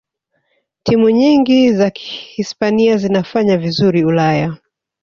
timu nyingi za hispania zinafanya vizuri ulaya